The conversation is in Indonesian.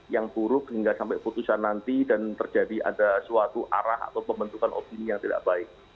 yang buruk hingga sampai putusan nanti dan terjadi ada suatu arah atau pembentukan opini yang tidak baik